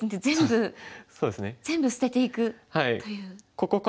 全部全部捨てていくという。